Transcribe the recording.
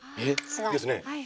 ですね。